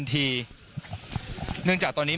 และมีความหวาดกลัวออกมา